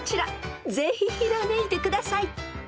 ［ぜひひらめいてください］